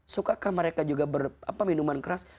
sukakah mereka juga minuman keras